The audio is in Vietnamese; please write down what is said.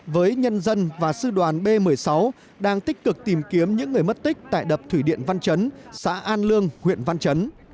với nhân dân và sư đoàn b một mươi sáu đang tích cực tìm kiếm những người mất tích tại đập thủy điện văn chấn xã an lương huyện văn chấn